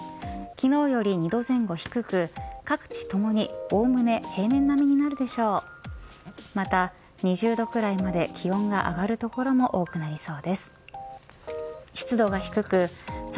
昨日より２度前後低く各地ともにおおむね平年並みになるでしょう。